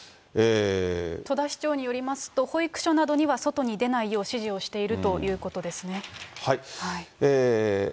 戸田市長によりますと、保育所などには、外に出ないよう指示をしているということですね。